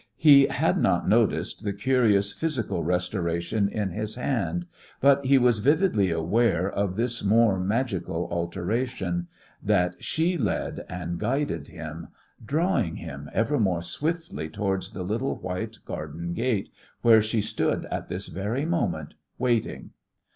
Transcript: He had not noticed the curious physical restoration in his hand, but he was vividly aware of this more magical alteration that she led and guided him, drawing him ever more swiftly towards the little, white garden gate where she stood at this very moment, waiting.